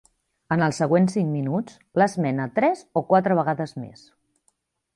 En els següents cinc minuts l'esmena tres o quatre vegades més.